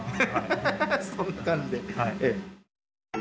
そんな感じで。